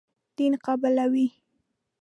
دین قبولوي.